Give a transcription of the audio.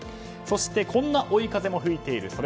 そしてこんな追い風も吹いている。